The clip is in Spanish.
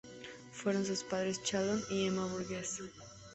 Fueron sus padres Chalon y Emma Burgess.